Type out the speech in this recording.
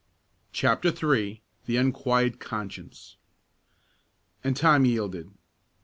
CHAPTER III. THE UNQUIET CONSCIENCE. And Tom yielded.